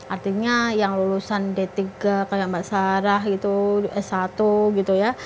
artinya yang lulusan d tiga kayak mbak sarah gitu s satu gitu ya